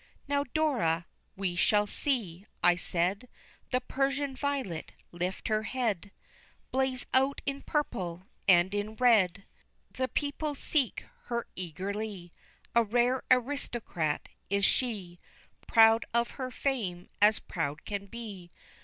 "Now Dora, we shall see," I said, "The Persian violet lift her head, Blaze out in purple and in red! The people seek her eagerly, A rare aristocrat is she, Proud of her fame as proud can be."